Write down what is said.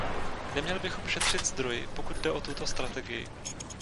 Neměli bychom šetřit zdroji, pokud jde o tuto strategii.